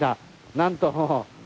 なんと。